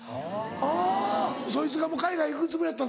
あぁそいつがもう海外行くつもりやった。